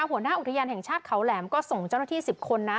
หัวหน้าอุทยานแห่งชาติเขาแหลมก็ส่งเจ้าหน้าที่๑๐คนนะ